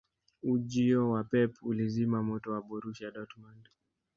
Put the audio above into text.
ujio wa pep ulizima moto wa borusia dortmund